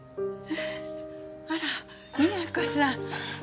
あら美也子さん。